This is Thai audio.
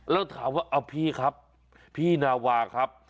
แล้วถามว่าเอาพี่ครับพี่นาวาครับ